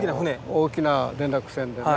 大きな連絡船でね。